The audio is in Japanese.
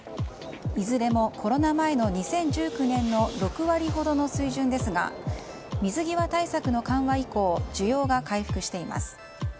いずれもコロナ前の２０１９年の６割ほどの水準ですが水際対策の緩和以降需要が回復しています。